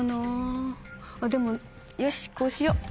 でもよしこうしよう。